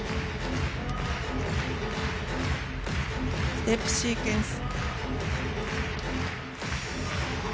ステップシークエンス。